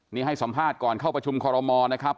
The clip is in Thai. นี่ให้สัมภาษณ์ก่อนเข้าประชุมคอรมอลนะครับ